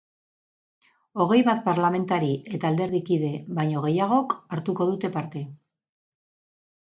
Hogei bat parlamentari eta alderdikide baino gehiagok hartuko dute parte.